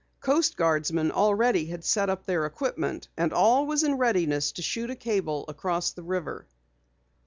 Coast Guardsmen already had set up their equipment and all was in readiness to shoot a cable across the river.